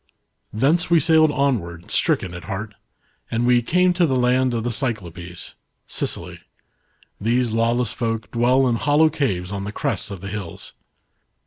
''Thence we sailed onward, stricken at heart. And we came to the land of the Cyclopes (Sicily). These lawless folk dwell in hollow caves on the crests of the hills.